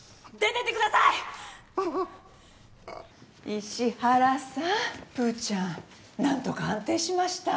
石原さんプーちゃん何とか安定しました。